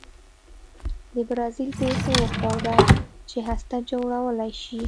د برازیل پېښې وښوده چې هسته جوړولای شي.